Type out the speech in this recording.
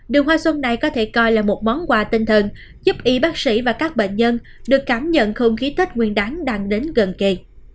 đường hoa xuân này có thể coi là một món quà tinh thần giúp y bác sĩ và các bệnh nhân được cảm nhận không khí tết nguyên đáng đang đến gần kề